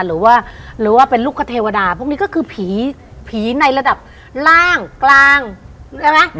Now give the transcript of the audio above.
หรือว่าหรือว่าเป็นลูกคเทวดาพวกนี้ก็คือผีผีในระดับล่างกลางใช่ไหม